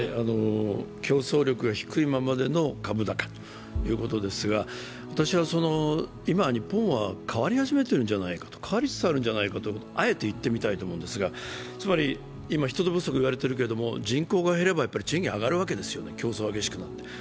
競争力が低いままでの株高ということですが私は今日本は変わり始めているんじゃないか、変わりつつあるんじゃないかとあえて言ってみますが今、人手不足と言われていますが人口が減れば賃金が上がるわけで競争が激しくなって。